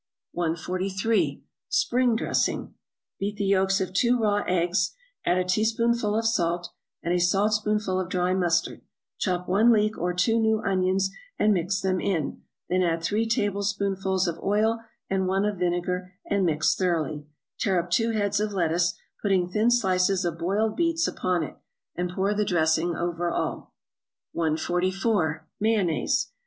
143. =Spring Dressing.= Beat the yolks of two raw eggs, add a teaspoonful of salt, and a saltspoonful of dry mustard, chop one leek or two new onions, and mix them in, then add three tablespoonfuls of oil and one of vinegar and mix thoroughly; tear up two heads of lettuce, putting thin slices of boiled beets upon it, and pour the dressing over all. 144. =Mayonnaise.